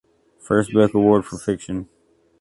First Book Award for Fiction.